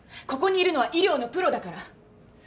ここにいるのは医療のプロだから。